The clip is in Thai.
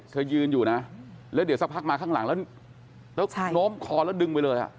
ยืนอยู่นะแล้วเดี๋ยวสักพักมาข้างหลังแล้วโน้มคอแล้วดึงไปเลย